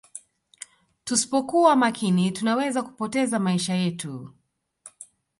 tuspokuwa makini tunaweza kupoteza maisha yetu